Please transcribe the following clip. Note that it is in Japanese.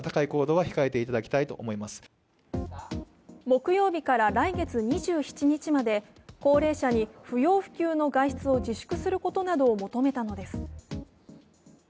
木曜日から来月２７日まで、高齢者に不要不急の外出を自粛することなどを求めたのです。